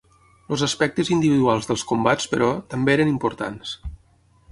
Els aspectes individuals dels combats, però, també eren importants.